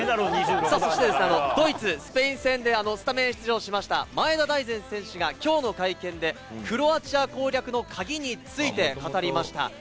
そしてドイツ、スペイン戦でスタメン出場しました前田大然選手が、きょうの会見で、クロアチア攻略の鍵について語りました。